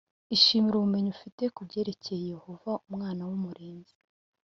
Ishimire ubumenyi ufite ku byerekeye Yehova Umunara w Umurinzi